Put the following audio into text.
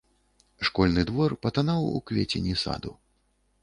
Школьны двор патанаў у квецені саду.